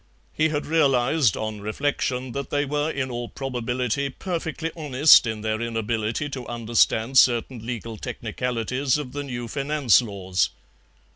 He had realized on reflection that they were in all probability perfectly honest in their inability to understand certain legal technicalities of the new finance laws.